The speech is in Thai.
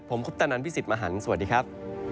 ผมคุปตะนันพี่สิทธิ์มหันฯสวัสดีครับ